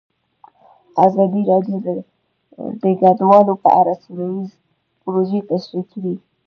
ازادي راډیو د کډوال په اړه سیمه ییزې پروژې تشریح کړې.